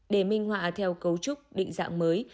để minh họa theo cấu trúc định dạng mới